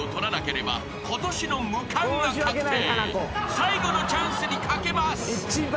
［最後のチャンスに懸けます］